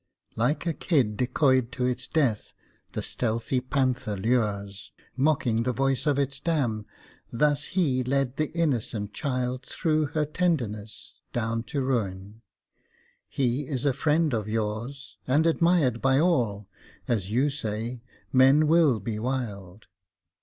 Like a kid decoyed to its death, the stealthy panther lures, Mocking the voice of its dam, thus he led the innocent child Through her tenderness down to ruin, he is a friend of yours, And admired by all; as you say, "men will be wild."